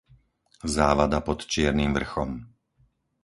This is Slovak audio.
Závada pod Čiernym vrchom